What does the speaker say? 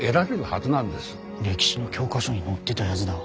歴史の教科書に載ってたやづだ。